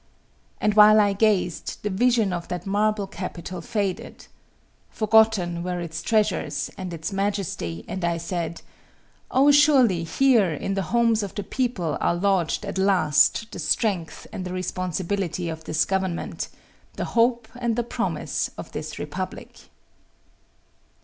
And while I gazed, the vision of that marble Capitol faded. Forgotten were its treasures and its majesty and I said, "Oh, surely here in the homes of the people are lodged at last the strength and the responsibility of this government, the hope and the promise of this republic."